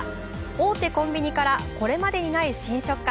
大手コンビにからこれまでにない新食感。